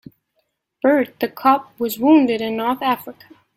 Bert the cop was wounded in North Africa.